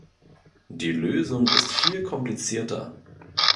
Die Lösung ist viel komplizierter.